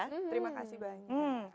terima kasih banyak